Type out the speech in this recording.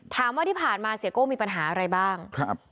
ถามว่าที่ผ่านมาเสียโก้มีปัญหาอะไรบ้างครับ